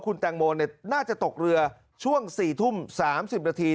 คุณแตงโมน่าจะตกเรือช่วง๔ทุ่ม๓๐นาที